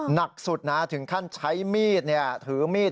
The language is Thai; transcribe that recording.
หนักสุดนะถึงขั้นใช้มีดถือมีด